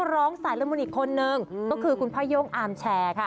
ร้อนดีนะฮะ